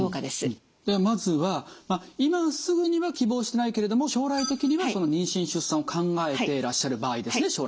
ではまずは今すぐには希望してないけれども将来的には妊娠出産を考えてらっしゃる場合ですね。